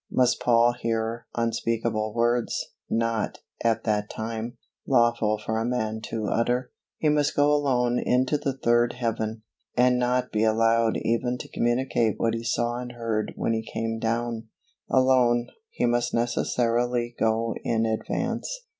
Must Paul hear unspeakable words, not, at that time, lawful for a man to utter? He must go alone into the third heaven, and not be allowed even to communicate what he saw and heard when he came down; alone, he must necessarily go in advance.